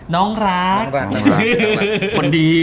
น้องรัก